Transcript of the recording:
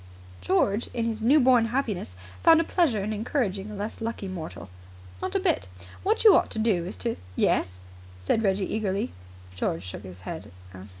George, in his new born happiness, found a pleasure in encouraging a less lucky mortal. "Not a bit. What you ought to do is to " "Yes?" said Reggie eagerly. George shook his head.